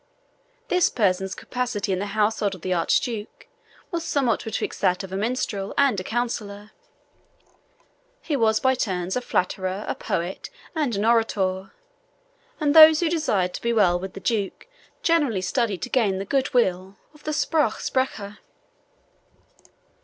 This person's capacity in the household of the Archduke was somewhat betwixt that of a minstrel and a counsellor. He was by turns a flatterer, a poet, and an orator; and those who desired to be well with the Duke generally studied to gain the good will of the SPRUCH SPRECHER.